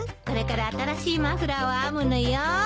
これから新しいマフラーを編むのよ。